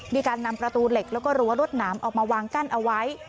มีการนำประตูเหล็กแล้วก็รั้วรวดหนามออกมาวางกั้นเอาไว้